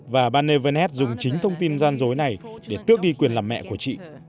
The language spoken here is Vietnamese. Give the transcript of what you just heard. và banne vernet dùng chính thông tin gian dối này để tước đi quyền làm mẹ của chị